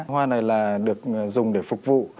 hoa này là được dùng để phục vụ